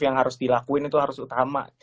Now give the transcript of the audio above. yang harus dilakuin itu harus utama